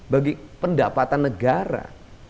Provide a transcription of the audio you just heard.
bagi pendapatan negara